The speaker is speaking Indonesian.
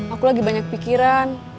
aku lagi banyak pikiran